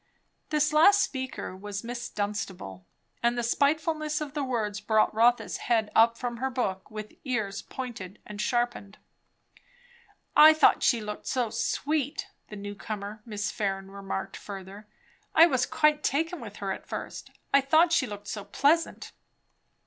This last speaker was Miss Dunstable, and the spitefulness of the words brought Rotha's head up from her book, with ears pointed and sharpened. "I thought she looked so sweet," the new comer, Miss Farren, remarked further. "I was quite taken with her at first. I thought she looked so pleasant."